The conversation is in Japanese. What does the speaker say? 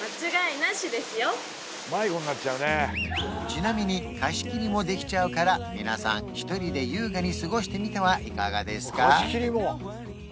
ちなみに貸し切りもできちゃうから皆さん１人で優雅に過ごしてみてはいかがですか？